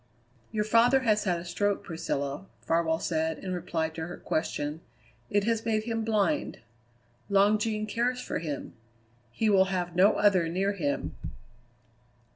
"Your father has had a stroke, Priscilla," Farwell said in reply to her question; "it has made him blind. Long Jean cares for him. He will have no other near him."